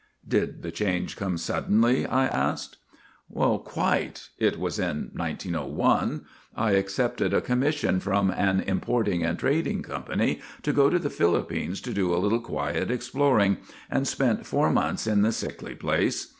" Did the change come suddenly ?' I asked. GULLIVER THE GREAT 7 "Quite. It was in 1901. I accepted a com mission from an importing and trading company to go to the Philippines to do a little quiet exploring, and spent four months in the sickly place.